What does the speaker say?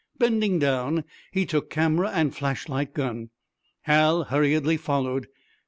Bending down he took camera and flashlight "gun." Hal hurriedly followed.